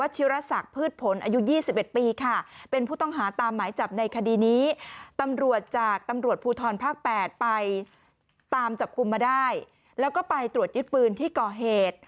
จากตำรวจภูทรภาค๘ไปตามจับคุมมาได้แล้วก็ไปตรวจยิดปืนที่ก่อเหตุ